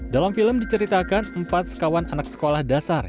dalam film diceritakan empat sekawan anak sekolah dasar